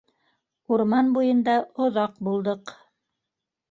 Урман буйында оҙаҡ булдыҡ.